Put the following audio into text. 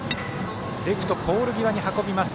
レフト、ポール際に運びます。